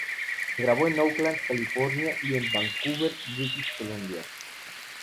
Se grabó en Oakland, California y en Vancouver, British Columbia.